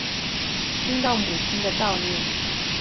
听到母亲的叨念